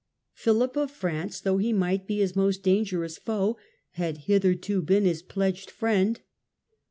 Philip of France, though he might be his most dangerous foe, had hitherto been his pledged friend.